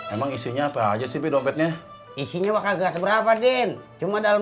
emang isinya apa aja sih dompetnya isinya wakaga seberapa din cuma dalam